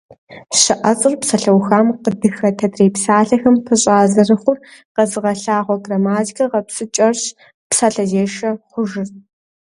ЩыӀэцӀэр псалъэухам къыдыхэт адрей псалъэхэм пыщӀа зэрыхъур къэзыгъэлъагъуэ грамматикэ гъэпсыкӀэрщ псалъэзешэ хъужыр.